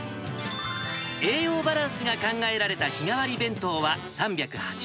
栄養バランスが考えられた日替わり弁当は３８０円。